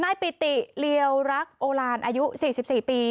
ปิติเรียวรักโอลานอายุ๔๔ปี